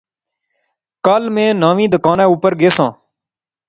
کل میں نویں دکاناں اوپر گیساں